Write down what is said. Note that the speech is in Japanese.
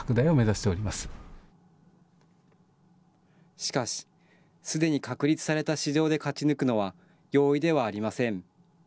しかし、すでに確立された市場で勝ち抜くのは容易ではありません。